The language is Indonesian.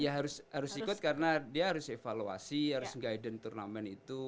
ya harus ikut karena dia harus evaluasi harus guidance turnamen itu